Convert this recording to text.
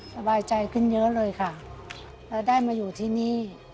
สบายใจขึ้นเยอะเลยค่ะแล้วได้มาอยู่ที่นี่